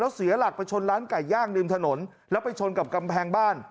เสียหลักไปชนร้านไก่ย่างริมถนนแล้วไปชนกับกำแพงบ้าน